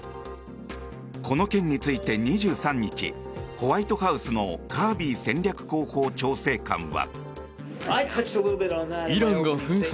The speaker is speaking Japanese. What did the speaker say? この件について、２３日ホワイトハウスのカービー戦略広報調整官は。